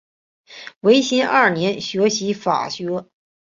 维新二年学习法学。